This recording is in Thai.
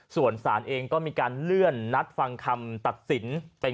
ส่วนศาลเองก็มีการเลื่อนนัดฟังคำตัดสินเป็น